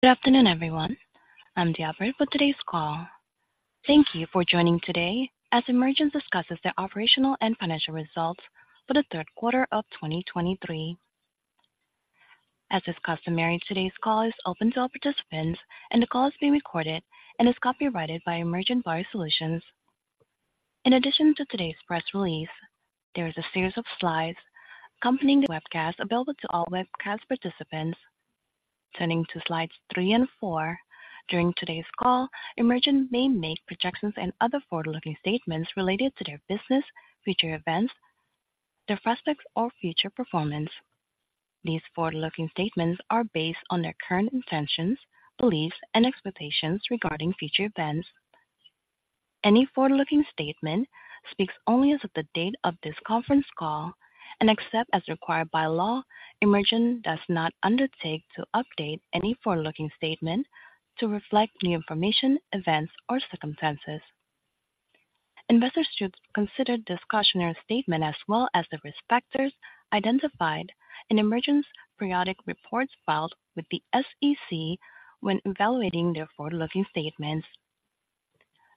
Good afternoon, everyone. I'm Deborah with today's call. Thank you for joining today as Emergent discusses their operational and financial results for the third quarter of 2023. As is customary, today's call is open to all participants, and the call is being recorded and is copyrighted by Emergent BioSolutions. In addition to today's press release, there is a series of slides accompanying the webcast available to all webcast participants. Turning to slides 3 and 4. During today's call, Emergent may make projections and other forward-looking statements related to their business, future events, their prospects, or future performance. These forward-looking statements are based on their current intentions, beliefs, and expectations regarding future events. Any forward-looking statement speaks only as of the date of this conference call, and except as required by law, Emergent does not undertake to update any forward-looking statement to reflect new information, events, or circumstances. Investors should consider this cautionary statement as well as the risk factors identified in Emergent's periodic reports filed with the SEC when evaluating their forward-looking statements.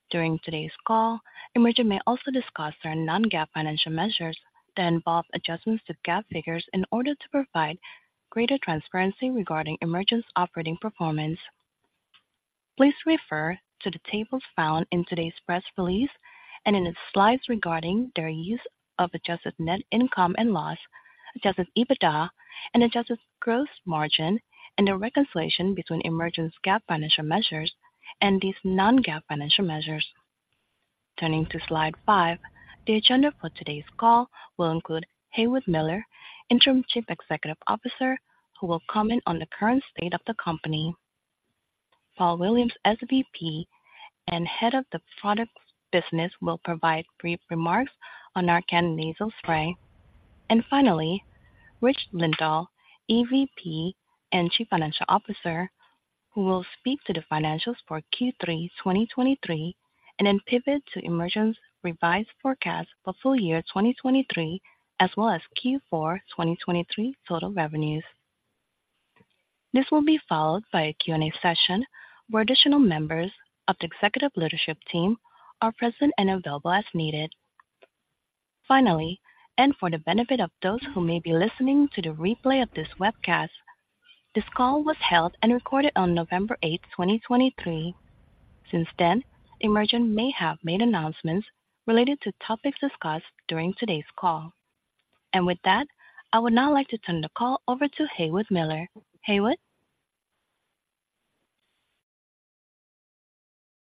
During today's call, Emergent may also discuss certain non-GAAP financial measures that involve adjustments to GAAP figures in order to provide greater transparency regarding Emergent's operating performance. Please refer to the tables found in today's press release and in its slides regarding their use of adjusted net income and loss, adjusted EBITDA, and adjusted gross margin, and a reconciliation between Emergent's GAAP financial measures and these non-GAAP financial measures. Turning to slide five. The agenda for today's call will include Haywood Miller, Interim Chief Executive Officer, who will comment on the current state of the company. Paul Williams, SVP and Head of the Products Business, will provide brief remarks on our Nasal Spray. Finally, Rich Lindahl, EVP and Chief Financial Officer, who will speak to the financials for Q3 2023 and then pivot to Emergent's revised forecast for full year 2023, as well as Q4 2023 total revenues. This will be followed by a Q&A session, where additional members of the executive leadership team are present and available as needed. Finally, and for the benefit of those who may be listening to the replay of this webcast, this call was held and recorded on November 8th, 2023. Since then, Emergent may have made announcements related to topics discussed during today's call. With that, I would now like to turn the call over to Haywood Miller. Haywood?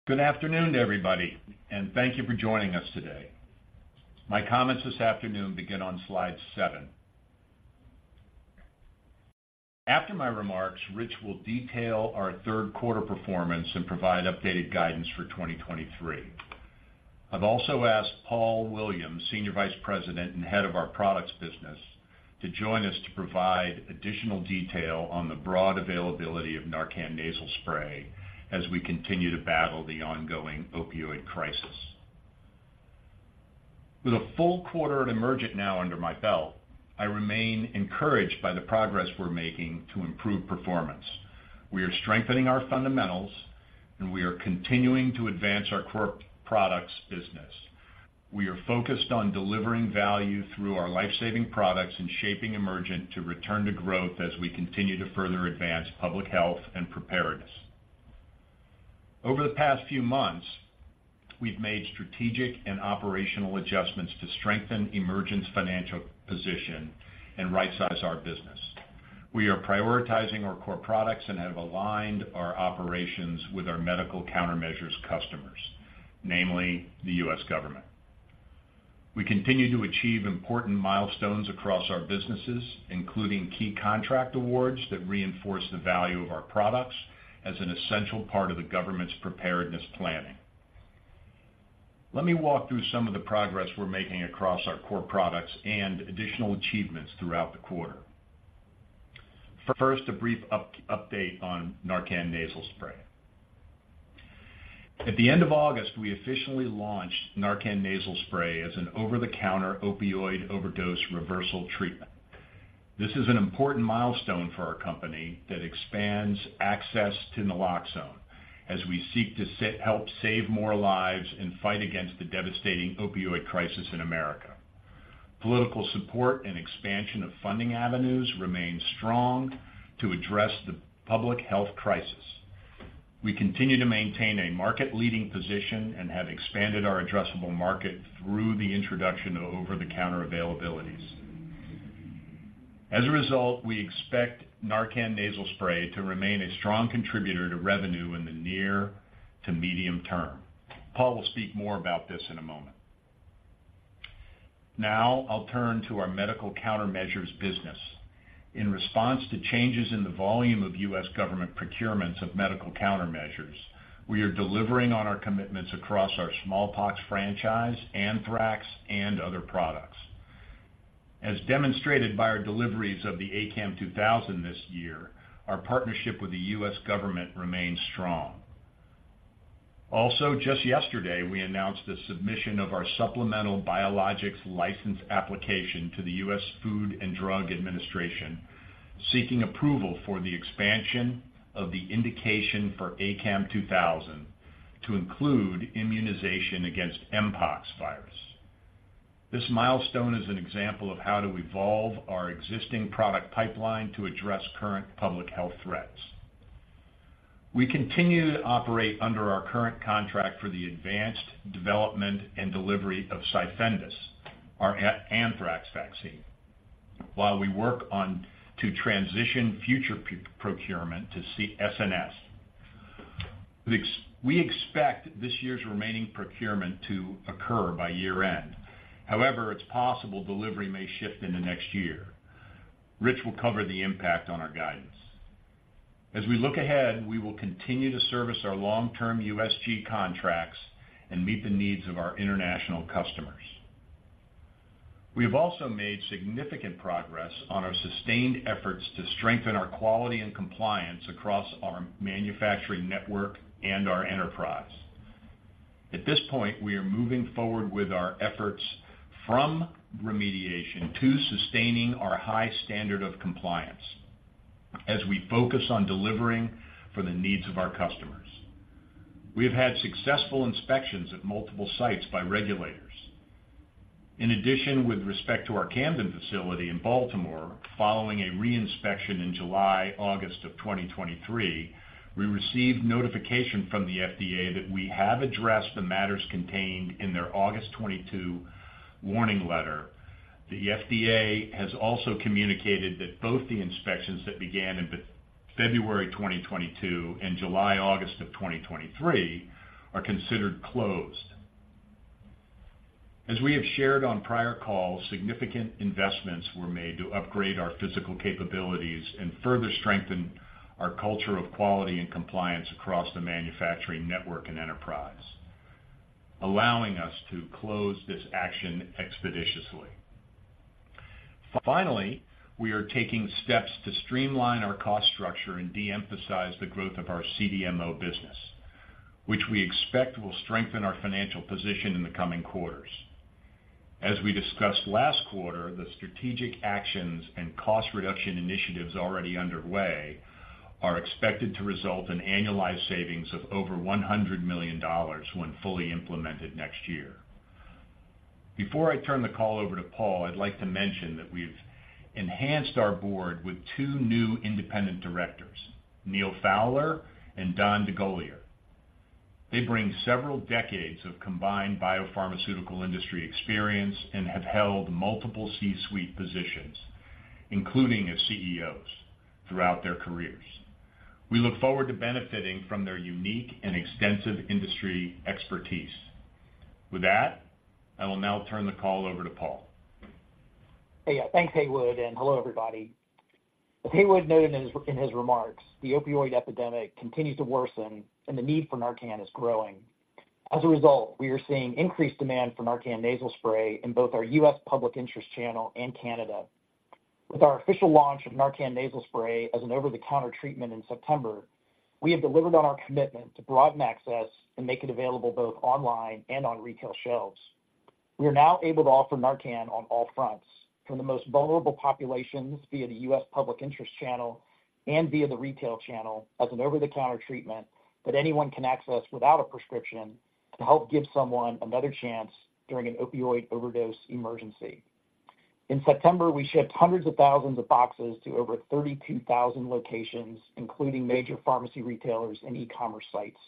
Good afternoon to everybody, and thank you for joining us today. My comments this afternoon begin on slide 7. After my remarks, Rich will detail our third quarter performance and provide updated guidance for 2023. I've also asked Paul Williams, Senior Vice President and Head of our Products Business, to join us to provide additional detail on the broad availability of NARCAN Nasal Spray as we continue to battle the ongoing opioid crisis. With a full quarter at Emergent now under my belt, I remain encouraged by the progress we're making to improve performance. We are strengthening our fundamentals, and we are continuing to advance our core products business. We are focused on delivering value through our life-saving products and shaping Emergent to return to growth as we continue to further advance public health and preparedness. Over the past few months, we've made strategic and operational adjustments to strengthen Emergent's financial position and right-size our business. We are prioritizing our core products and have aligned our operations with our medical countermeasures customers, namely the U.S. government. We continue to achieve important milestones across our businesses, including key contract awards that reinforce the value of our products as an essential part of the government's preparedness planning. Let me walk through some of the progress we're making across our core products and additional achievements throughout the quarter. First, a brief update on NARCAN Nasal Spray. At the end of August, we officially launched NARCAN Nasal Spray as an over-the-counter opioid overdose reversal treatment. This is an important milestone for our company that expands access to naloxone as we seek to help save more lives and fight against the devastating opioid crisis in America. Political support and expansion of funding avenues remain strong to address the public health crisis. We continue to maintain a market-leading position and have expanded our addressable market through the introduction of over-the-counter availabilities. As a result, we expect Narcan Nasal Spray to remain a strong contributor to revenue in the near to medium term. Paul will speak more about this in a moment. Now I'll turn to our medical counter-measures business. In response to changes in the volume of U.S. government procurements of medical countermeasures, we are delivering on our commitments across our smallpox franchise, anthrax, and other products. As demonstrated by our deliveries of the ACAM2000 this year, our partnership with the U.S. government remains strong... Also, just yesterday, we announced the submission of our supplemental biologics license application to the U.S. Food and Drug Administration, seeking approval for the expansion of the indication for ACAM2000 to include immunization against mpox virus. This milestone is an example of how to evolve our existing product pipeline to address current public health threats. We continue to operate under our current contract for the advanced development and delivery of CYFENDUS, our anthrax vaccine, while we work on to transition future procurement to SNS. We expect this year's remaining procurement to occur by year-end. However, it's possible delivery may shift into next year. Rich will cover the impact on our guidance. As we look ahead, we will continue to service our long-term USG contracts and meet the needs of our international customers. We have also made significant progress on our sustained efforts to strengthen our quality and compliance across our manufacturing network and our enterprise. At this point, we are moving forward with our efforts from remediation to sustaining our high standard of compliance as we focus on delivering for the needs of our customers. We have had successful inspections at multiple sites by regulators. In addition, with respect to our Camden facility in Baltimore, following a re-inspection in July, August of 2023, we received notification from the FDA that we have addressed the matters contained in their August 2022 warning letter. The FDA has also communicated that both the inspections that began in February 2022 and July, August of 2023 are considered closed. As we have shared on prior calls, significant investments were made to upgrade our physical capabilities and further strengthen our culture of quality and compliance across the manufacturing network and enterprise, allowing us to close this action expeditiously. Finally, we are taking steps to streamline our cost structure and de-emphasize the growth of our CDMO business, which we expect will strengthen our financial position in the coming quarters. As we discussed last quarter, the strategic actions and cost reduction initiatives already underway are expected to result in annualized savings of over $100 million when fully implemented next year. Before I turn the call over to Paul, I'd like to mention that we've enhanced our board with two new independent directors, Neal Fowler and Don DeGolyer. They bring several decades of combined biopharmaceutical industry experience and have held multiple C-suite positions, including as CEOs, throughout their careers. We look forward to benefiting from their unique and extensive industry expertise. With that, I will now turn the call over to Paul. Hey, thanks, Haywood, and hello, everybody. As Haywood noted in his, in his remarks, the opioid epidemic continues to worsen, and the need for NARCAN is growing. As a result, we are seeing increased demand for NARCAN Nasal Spray in both our U.S. public interest channel and Canada. With our official launch of NARCAN Nasal Spray as an over-the-counter treatment in September, we have delivered on our commitment to broaden access and make it available both online and on retail shelves. We are now able to offer NARCAN on all fronts, from the most vulnerable populations via the U.S. public interest channel and via the retail channel as an over-the-counter treatment that anyone can access without a prescription to help give someone another chance during an opioid overdose emergency. In September, we shipped hundreds of thousands of boxes to over 32,000 locations, including major pharmacy retailers and e-commerce sites.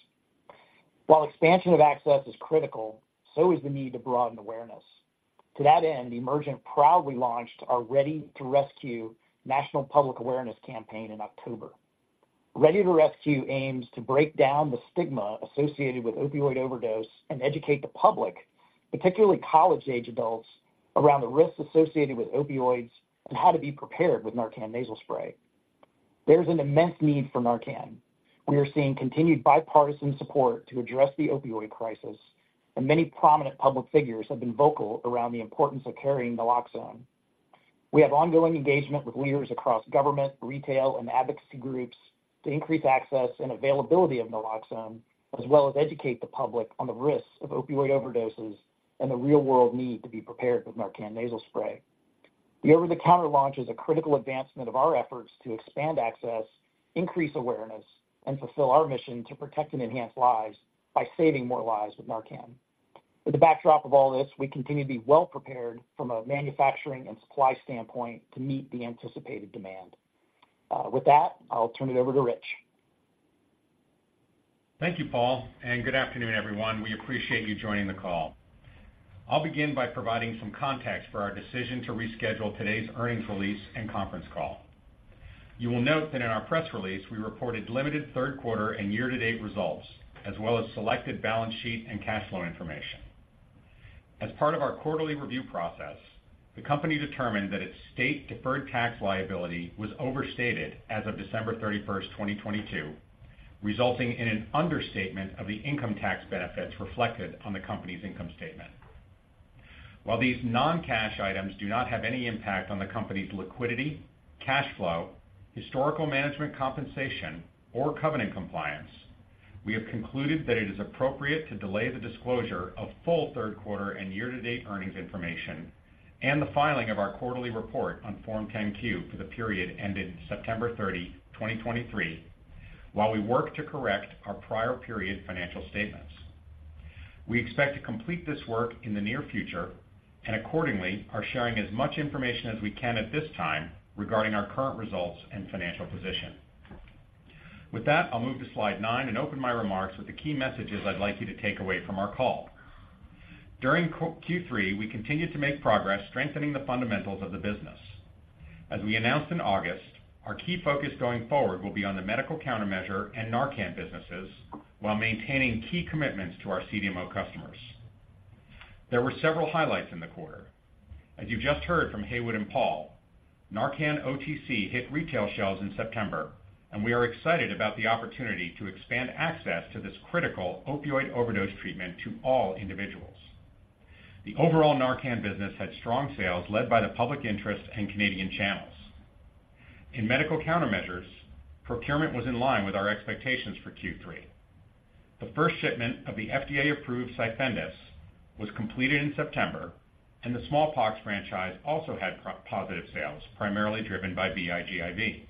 While expansion of access is critical, so is the need to broaden awareness. To that end, Emergent proudly launched our Ready to Rescue national public awareness campaign in October. Ready to Rescue aims to break down the stigma associated with opioid overdose and educate the public, particularly college-age adults, around the risks associated with opioids and how to be prepared with NARCAN Nasal Spray. There's an immense need for NARCAN. We are seeing continued bipartisan support to address the opioid crisis, and many prominent public figures have been vocal around the importance of carrying naloxone. We have ongoing engagement with leaders across government, retail, and advocacy groups to increase access and availability of naloxone, as well as educate the public on the risks of opioid overdoses and the real-world need to be prepared with NARCAN Nasal Spray. The over-the-counter launch is a critical advancement of our efforts to expand access, increase awareness, and fulfill our mission to protect and enhance lives by saving more lives with NARCAN. With the backdrop of all this, we continue to be well prepared from a manufacturing and supply standpoint to meet the anticipated demand. With that, I'll turn it over to Rich. Thank you, Paul, and good afternoon, everyone. We appreciate you joining the call. I'll begin by providing some context for our decision to reschedule today's earnings release and conference call. You will note that in our press release, we reported limited third quarter and year-to-date results, as well as selected balance sheet and cash flow information. As part of our quarterly review process, the company determined that its state deferred tax liability was overstated as of December 31st 2022, resulting in an understatement of the income tax benefits reflected on the company's income statement.... While these non-cash items do not have any impact on the company's liquidity, cash flow, historical management compensation, or covenant compliance, we have concluded that it is appropriate to delay the disclosure of full third quarter and year-to-date earnings information and the filing of our quarterly report on Form 10-Q for the period ended September 30, 2023, while we work to correct our prior period financial statements. We expect to complete this work in the near future and accordingly are sharing as much information as we can at this time regarding our current results and financial position. With that, I'll move to slide 9 and open my remarks with the key messages I'd like you to take away from our call. During Q3, we continued to make progress strengthening the fundamentals of the business. As we announced in August, our key focus going forward will be on the medical countermeasure and NARCAN businesses, while maintaining key commitments to our CDMO customers. There were several highlights in the quarter. As you just heard from Haywood and Paul, NARCAN OTC hit retail shelves in September, and we are excited about the opportunity to expand access to this critical opioid overdose treatment to all individuals. The overall NARCAN business had strong sales, led by the public interest and Canadian channels. In medical countermeasures, procurement was in line with our expectations for Q3. The first shipment of the FDA-approved CYFENDUS was completed in September, and the Smallpox franchise also had positive sales, primarily driven by VIGIV.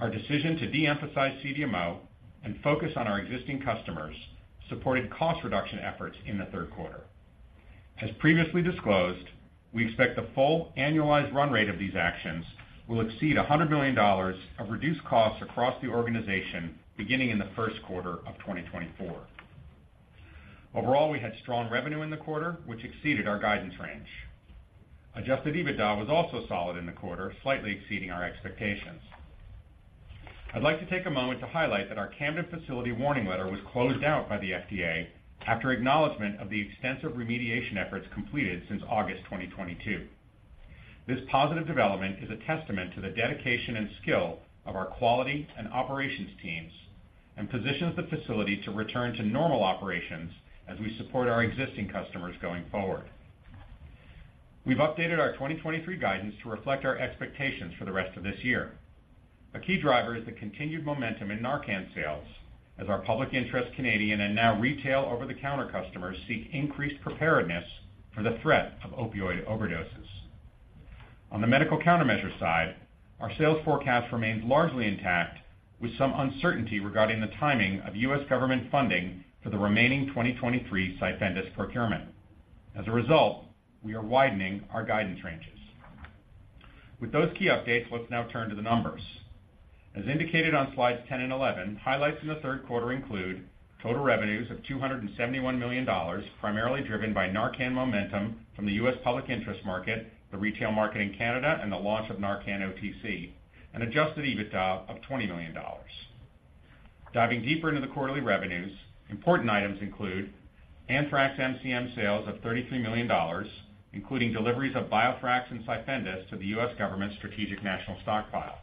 Our decision to de-emphasize CDMO and focus on our existing customers supported cost reduction efforts in the third quarter. As previously disclosed, we expect the full annualized run rate of these actions will exceed $100 million of reduced costs across the organization beginning in the first quarter of 2024. Overall, we had strong revenue in the quarter, which exceeded our guidance range. Adjusted EBITDA was also solid in the quarter, slightly exceeding our expectations. I'd like to take a moment to highlight that our Camden facility warning letter was closed out by the FDA after acknowledgment of the extensive remediation efforts completed since August 2022. This positive development is a testament to the dedication and skill of our quality and operations teams and positions the facility to return to normal operations as we support our existing customers going forward. We've updated our 2023 guidance to reflect our expectations for the rest of this year. A key driver is the continued momentum in NARCAN sales as our public interest, Canadian, and now retail over-the-counter customers seek increased preparedness for the threat of opioid overdoses. On the medical countermeasure side, our sales forecast remains largely intact, with some uncertainty regarding the timing of U.S. government funding for the remaining 2023 CYFENDUS procurement. As a result, we are widening our guidance ranges. With those key updates, let's now turn to the numbers. As indicated on slides 10 and 11, highlights in the third quarter include total revenues of $271 million, primarily driven by NARCAN momentum from the U.S. public interest market, the retail market in Canada, and the launch of NARCAN OTC, and adjusted EBITDA of $20 million. Diving deeper into the quarterly revenues, important items include anthrax MCM sales of $33 million, including deliveries of BioThrax and Cyfendus to the U.S. government's Strategic National Stockpile.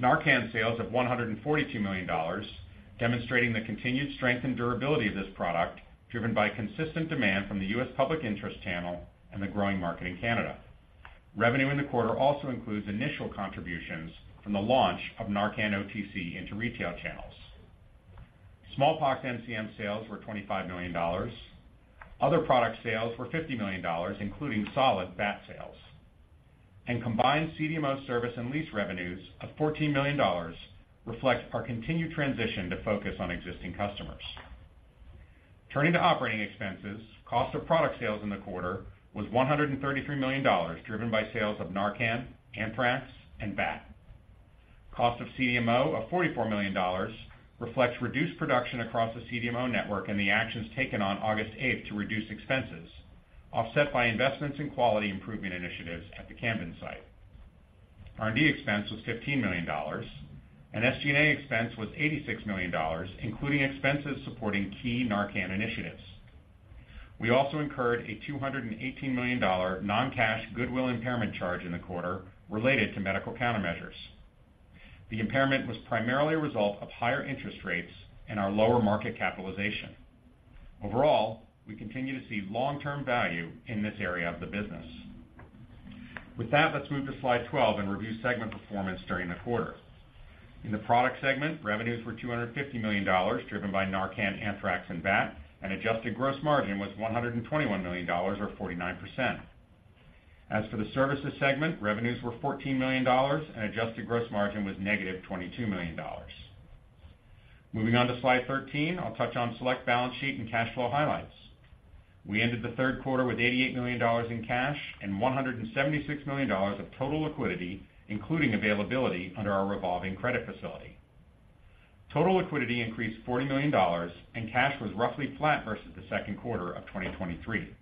Narcan sales of $142 million, demonstrating the continued strength and durability of this product, driven by consistent demand from the U.S. public interest channel and the growing market in Canada. Revenue in the quarter also includes initial contributions from the launch of Narcan OTC into retail channels. Smallpox MCM sales were $25 million. Other product sales were $50 million, including solid BAT sales. Combined CDMO service and lease revenues of $14 million reflects our continued transition to focus on existing customers. Turning to operating expenses, cost of product sales in the quarter was $133 million, driven by sales of NARCAN, Anthrax, and BAT. Cost of CDMO of $44 million reflects reduced production across the CDMO network and the actions taken on August 8 to reduce expenses, offset by investments in quality improvement initiatives at the Camden site. R&D expense was $15 million, and SG&A expense was $86 million, including expenses supporting key NARCAN initiatives. We also incurred a $218 million non-cash goodwill impairment charge in the quarter related to medical countermeasures. The impairment was primarily a result of higher interest rates and our lower market capitalization. Overall, we continue to see long-term value in this area of the business. With that, let's move to slide 12 and review segment performance during the quarter. In the product segment, revenues were $250 million, driven by NARCAN, Anthrax, and BAT, and adjusted gross margin was $121 million, or 49%. As for the services segment, revenues were $14 million, and adjusted gross margin was -$22 million. Moving on to slide 13, I'll touch on select balance sheet and cash flow highlights. We ended the third quarter with $88 million in cash and $176 million of total liquidity, including availability under our revolving credit facility. Total liquidity increased $40 million, and cash was roughly flat versus the second quarter of 2023.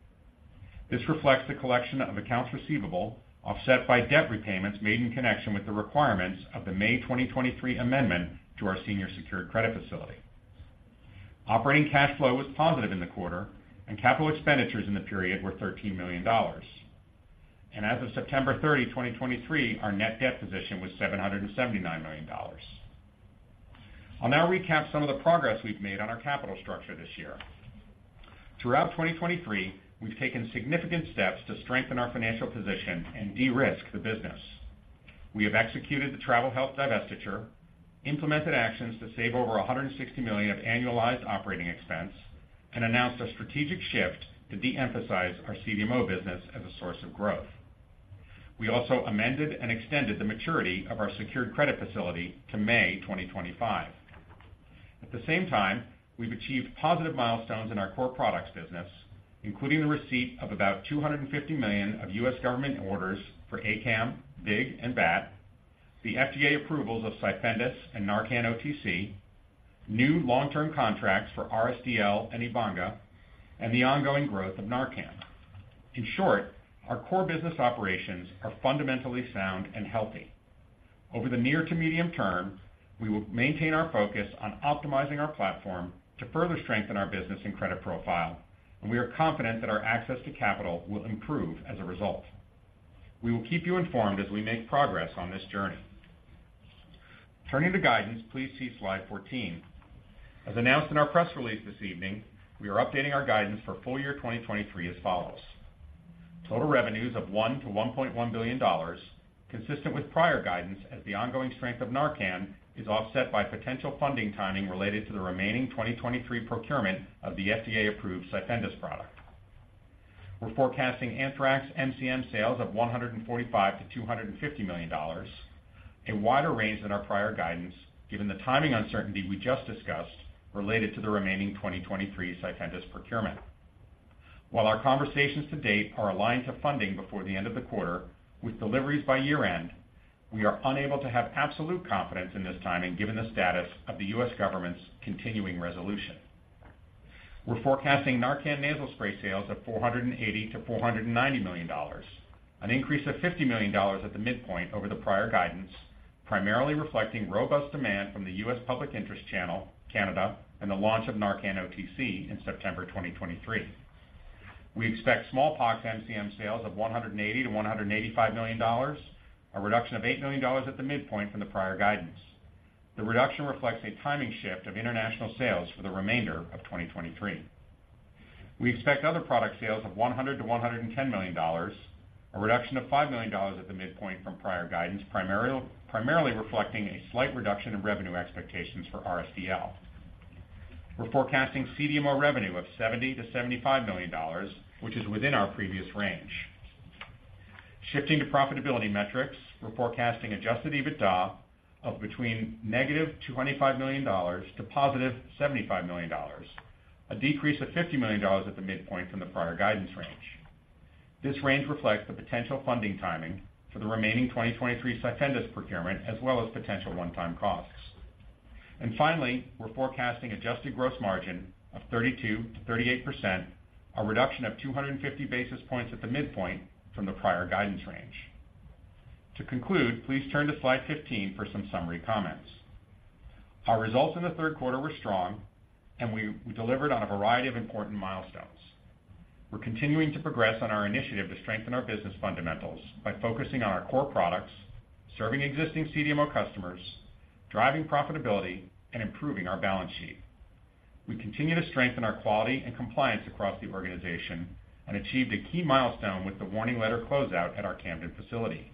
This reflects the collection of accounts receivable, offset by debt repayments made in connection with the requirements of the May 2023 amendment to our senior secured credit facility. Operating cash flow was positive in the quarter, and capital expenditures in the period were $13 million. As of September 30, 2023, our net debt position was $779 million. I'll now recap some of the progress we've made on our capital structure this year. Throughout 2023, we've taken significant steps to strengthen our financial position and de-risk the business. We have executed the Travel Health divestiture, implemented actions to save over $160 million of annualized operating expense, and announced a strategic shift to de-emphasize our CDMO business as a source of growth. We also amended and extended the maturity of our secured credit facility to May 2025. At the same time, we've achieved positive milestones in our core products business, including the receipt of about $250 million of U.S. government orders for ACAM, DIG, and BAT, the FDA approvals of CYFENDUS and NARCAN OTC, new long-term contracts for RSDL and Ebanga, and the ongoing growth of NARCAN. In short, our core business operations are fundamentally sound and healthy. Over the near to medium term, we will maintain our focus on optimizing our platform to further strengthen our business and credit profile, and we are confident that our access to capital will improve as a result. We will keep you informed as we make progress on this journey. Turning to guidance, please see Slide 14. As announced in our press release this evening, we are updating our guidance for full year 2023 as follows: Total revenues of $1-$1.1 billion, consistent with prior guidance, as the ongoing strength of NARCAN is offset by potential funding timing related to the remaining 2023 procurement of the FDA-approved CYFENDUS product. We're forecasting anthrax MCM sales of $145 million-$250 million, a wider range than our prior guidance, given the timing uncertainty we just discussed related to the remaining 2023 CYFENDUS procurement. While our conversations to date are aligned to funding before the end of the quarter, with deliveries by year-end, we are unable to have absolute confidence in this timing, given the status of the U.S. government's continuing resolution. We're forecasting NARCAN Nasal Spray sales of $480 million-$490 million, an increase of $50 million at the midpoint over the prior guidance, primarily reflecting robust demand from the U.S. public interest channel, Canada, and the launch of NARCAN OTC in September 2023. We expect smallpox MCM sales of $180 million-$185 million, a reduction of $8 million at the midpoint from the prior guidance. The reduction reflects a timing shift of international sales for the remainder of 2023. We expect other product sales of $100 million-$110 million, a reduction of $5 million at the midpoint from prior guidance, primarily reflecting a slight reduction in revenue expectations for RSDL. We're forecasting CDMO revenue of $70 million-$75 million, which is within our previous range. Shifting to profitability metrics, we're forecasting adjusted EBITDA of between -$25 million to +$75 million, a decrease of $50 million at the midpoint from the prior guidance range. This range reflects the potential funding timing for the remaining 2023 CYFENDUS procurement, as well as potential one-time costs. And finally, we're forecasting adjusted gross margin of 32%-38%, a reduction of 250 basis points at the midpoint from the prior guidance range. To conclude, please turn to Slide 15 for some summary comments. Our results in the third quarter were strong, and we delivered on a variety of important milestones. We're continuing to progress on our initiative to strengthen our business fundamentals by focusing on our core products, serving existing CDMO customers, driving profitability, and improving our balance sheet. We continue to strengthen our quality and compliance across the organization and achieved a key milestone with the warning letter closeout at our Camden facility.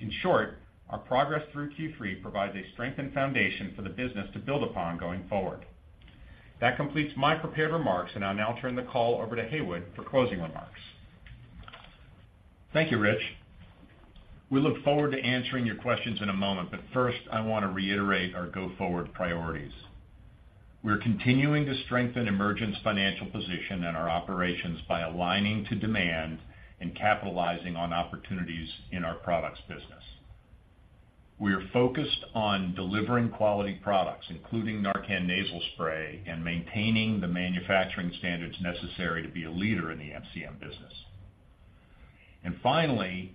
In short, our progress through Q3 provides a strengthened foundation for the business to build upon going forward. That completes my prepared remarks, and I'll now turn the call over to Haywood for closing remarks. Thank you, Rich. We look forward to answering your questions in a moment, but first, I want to reiterate our go-forward priorities. We're continuing to strengthen Emergent's financial position and our operations by aligning to demand and capitalizing on opportunities in our products business. We are focused on delivering quality products, including NARCAN Nasal Spray, and maintaining the manufacturing standards necessary to be a leader in the MCM business. And finally,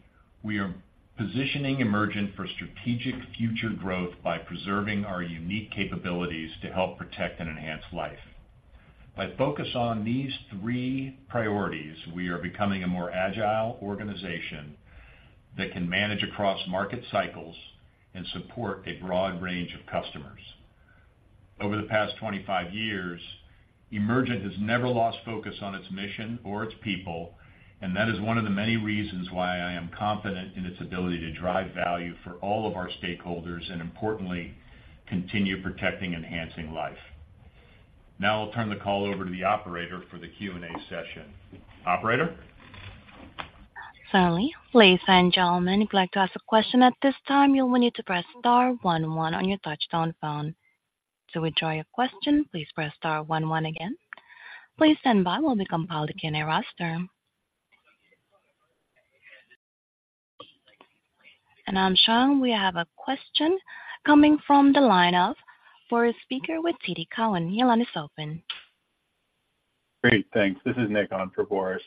we are positioning Emergent for strategic future growth by preserving our unique capabilities to help protect and enhance life. By focus on these three priorities, we are becoming a more agile organization that can manage across market cycles and support a broad range of customers. Over the past 25 years, Emergent has never lost focus on its mission or its people, and that is one of the many reasons why I am confident in its ability to drive value for all of our stakeholders and importantly, continue protecting enhancing life. Now I'll turn the call over to the operator for the Q&A session. Operator? Certainly. Ladies and gentlemen, if you'd like to ask a question at this time, you will need to press star one one on your touchtone phone. To withdraw your question, please press star one one again. Please stand by while we compile the Q&A roster. I'm showing we have a question coming from the line of Boris Peaker with TD Cowen. Your line is open. Great, thanks. This is Nick on for Boris.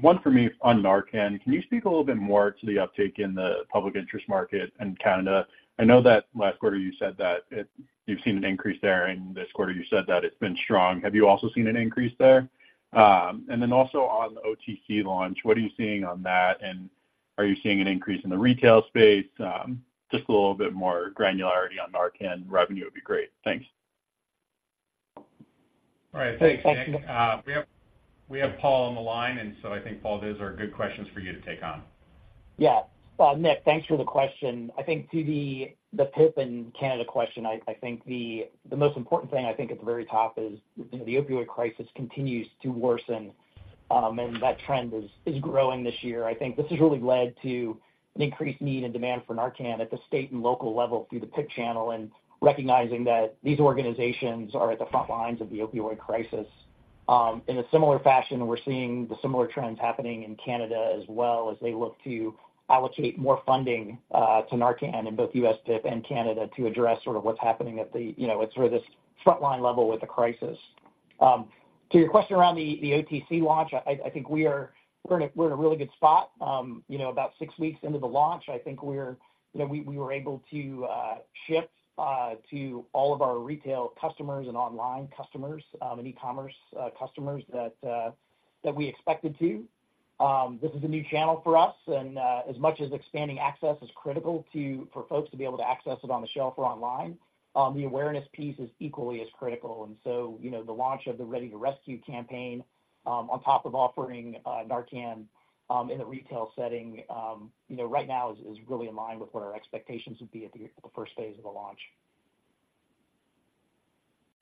One for me on NARCAN. Can you speak a little bit more to the uptake in the public interest market in Canada? I know that last quarter you said that you've seen an increase there, and this quarter you said that it's been strong. Have you also seen an increase there? And then also on the OTC launch, what are you seeing on that, and are you seeing an increase in the retail space? Just a little bit more granularity on NARCAN revenue would be great. Thanks. All right. Thanks, Nick. We have Paul on the line, and so I think, Paul, those are good questions for you to take on. Yeah. Nick, thanks for the question. I think to the PIP and Canada question, I think the most important thing, I think, at the very top is, you know, the opioid crisis continues to worsen, and that trend is growing this year. I think this has really led to an increased need and demand for Narcan at the state and local level through the PIP channel, and recognizing that these organizations are at the front lines of the opioid crisis. In a similar fashion, we're seeing the similar trends happening in Canada as well, as they look to allocate more funding to Narcan in both U.S., PIP and Canada to address sort of what's happening at the, you know, at sort of this frontline level with the crisis. To your question around the OTC launch, I think we're in a really good spot. You know, about six weeks into the launch, I think you know we were able to ship to all of our retail customers and online customers, and e-commerce customers that we expected to. This is a new channel for us, and as much as expanding access is critical for folks to be able to access it on the shelf or online, the awareness piece is equally as critical. So, you know, the launch of the Ready to Rescue campaign on top of offering NARCAN in a retail setting, you know, right now is really in line with what our expectations would be at the first phase of the launch.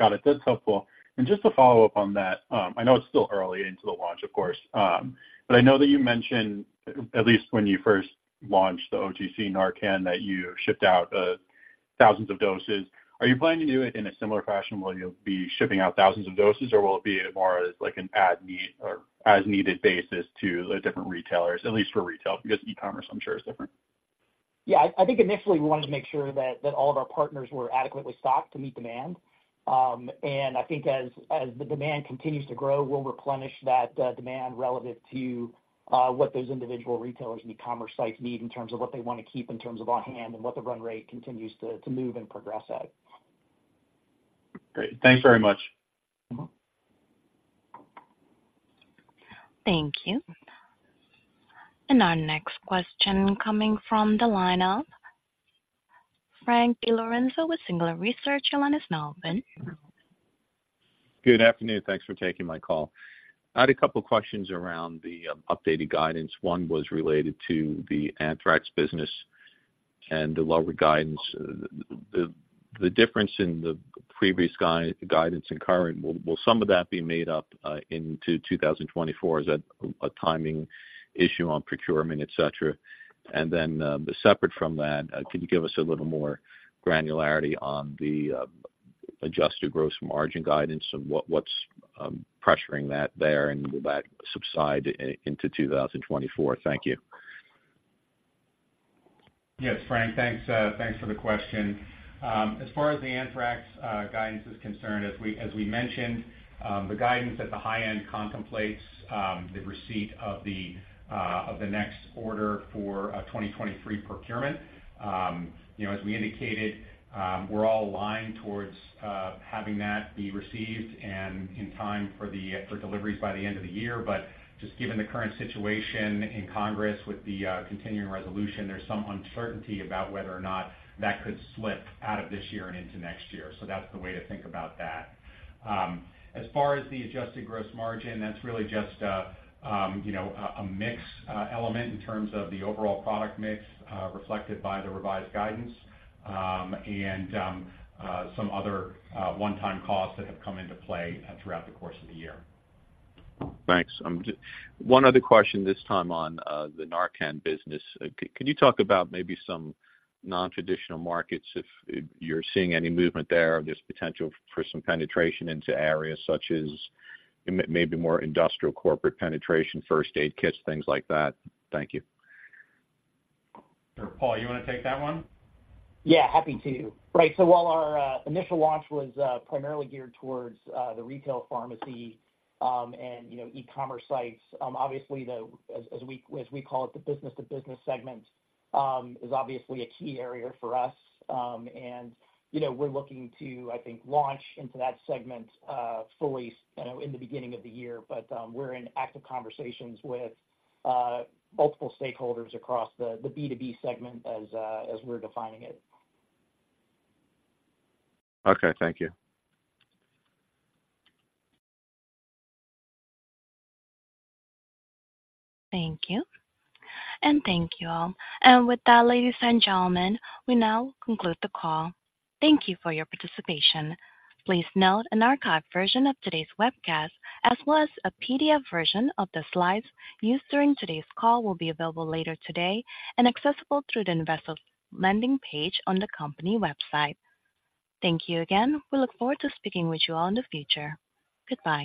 Got it. That's helpful. And just to follow up on that, I know it's still early into the launch, of course, but I know that you mentioned, at least when you first launched the OTC NARCAN, that you shipped out thousands of doses. Are you planning to do it in a similar fashion, will you be shipping out thousands of doses, or will it be more as like an as-needed basis to the different retailers, at least for retail? Because e-commerce, I'm sure, is different. Yeah. I think initially we wanted to make sure that all of our partners were adequately stocked to meet demand. I think as the demand continues to grow, we'll replenish that demand relative to what those individual retailers and e-commerce sites need in terms of what they want to keep in terms of on-hand and what the run rate continues to move and progress at. Great. Thanks very much. Mm-hmm. Thank you. Our next question coming from the line of Frank DiLorenzo with Singular Research. Your line is now open. Good afternoon. Thanks for taking my call. I had a couple of questions around the updated guidance. One was related to the anthrax business and the lower guidance. The difference in the previous guidance and current, will some of that be made up into 2024? Is that a timing issue on procurement, et cetera? And then separate from that, can you give us a little more granularity on the adjusted gross margin guidance and what's pressuring that there, and will that subside into 2024? Thank you. Yes, Frank. Thanks, thanks for the question. As far as the anthrax guidance is concerned, as we mentioned, the guidance at the high end contemplates the receipt of the next order for a 2023 procurement. You know, as we indicated, we're all aligned towards having that be received and in time for deliveries by the end of the year. But just given the current situation in Congress with the continuing resolution, there's some uncertainty about whether or not that could slip out of this year and into next year. So that's the way to think about that. As far as the adjusted gross margin, that's really just, you know, a mix element in terms of the overall product mix, reflected by the revised guidance, and some other one-time costs that have come into play, throughout the course of the year. Thanks. One other question, this time on the NARCAN business. Can you talk about maybe some nontraditional markets, if you're seeing any movement there or there's potential for some penetration into areas such as maybe more industrial corporate penetration, first aid kits, things like that? Thank you. Sure. Paul, you want to take that one? Yeah, happy to. Right, so while our initial launch was primarily geared towards the retail pharmacy, and, you know, e-commerce sites, obviously, the, as, as we, as we call it, the business-to-business segment is obviously a key area for us. And, you know, we're looking to, I think, launch into that segment fully, you know, in the beginning of the year. But we're in active conversations with multiple stakeholders across the, the B2B segment as, as we're defining it. Okay. Thank you. Thank you. Thank you all. With that, ladies and gentlemen, we now conclude the call. Thank you for your participation. Please note, an archived version of today's webcast, as well as a PDF version of the slides used during today's call, will be available later today and accessible through the Investors landing page on the company website. Thank you again. We look forward to speaking with you all in the future. Goodbye.